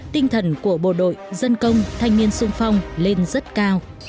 tinh thần của bộ đội dân công thanh niên sung phong lên rất cao